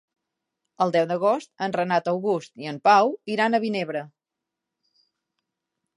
El deu d'agost en Renat August i en Pau iran a Vinebre.